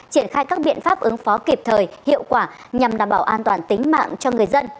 triển khai các biện pháp ứng phó kịp thời hiệu quả nhằm đảm bảo an toàn tính mạng cho người dân